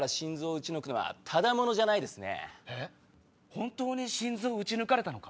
本当に心臓を撃ち抜かれたのか？